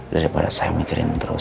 daripada saya mikirin terus